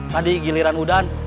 tadi giliran udan